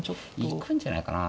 行くんじゃないかな。